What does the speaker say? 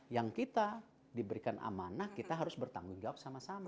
yang kita diberikan amanah kita harus bertanggung jawab sama sama